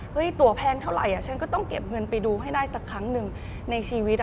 ตัวแพงเท่าไหร่ฉันก็ต้องเก็บเงินไปดูให้ได้สักครั้งหนึ่งในชีวิต